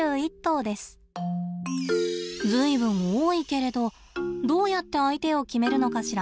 随分多いけれどどうやって相手を決めるのかしら？